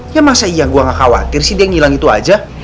ya masa iya gue gak khawatir sih dia ngilang itu aja